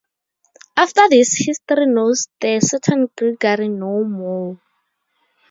After this, history knows the "certain Gregory" no more.